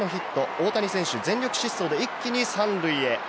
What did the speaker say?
大谷選手、全力疾走で一気に３塁へ。